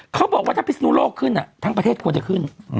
เขาบอกว่าถ้าพิศนุโลกขึ้นทั้งประเทศควรจะขึ้น